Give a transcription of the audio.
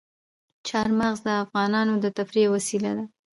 چار مغز د افغانانو د تفریح یوه وسیله ده.